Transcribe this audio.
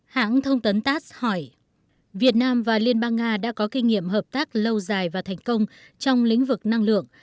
hãng thông tấn tass hỏi việt nam và liên bang nga đã có kinh nghiệm hợp tác lâu dài và thành công trong lĩnh vực năng lượng